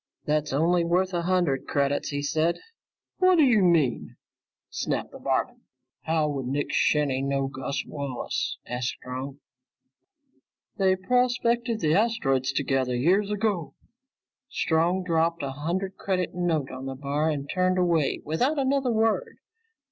"That's only worth a hundred credits," he said. "Whaddya mean!" snapped the barman. "How would Nick Shinny know Gus Wallace?" asked Strong. "They prospected the asteroids together years ago." Strong dropped a hundred credit note on the bar and turned away without another word.